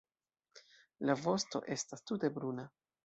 La vosto estas tute bruna.